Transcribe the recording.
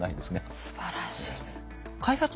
すばらしい。